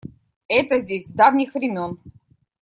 Это здесь с давних времён.